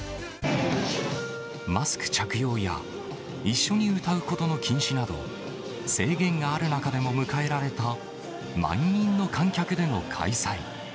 マスク着用や一緒に歌うことの禁止など、制限がある中でも迎えられた満員の観客での開催。